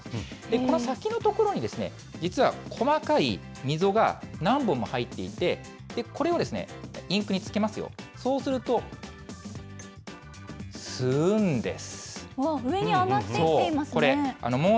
この先の所に、実は細かい溝が何本も入っていて、これをインクにつけますよ、そうすると、吸うんです。